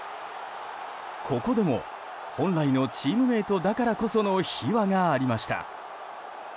ここでも本来のチームメートだからこその秘話がありました。